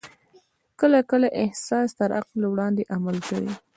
کله کله احساس تر عقل وړاندې عمل کوي.